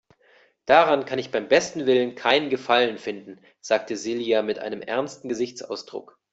Daran kann ich beim besten Willen keinen Gefallen finden, sagte Silja mit einem ernsten Gesichtsausdruck.